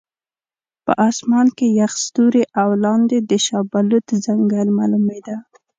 په اسمان کې یخ ستوري او لاندې د شاه بلوط ځنګل معلومېده.